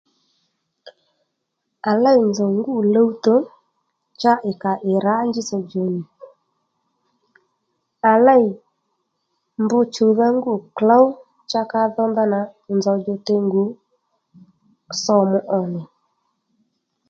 À lêy nzòw ngû luwtò cha ì kà ì rǎ njitsò djò nì à lêy mbr chùwdha ngû klǒw cha ka dho ndanà nzòw djòte ngù sòmù ò nì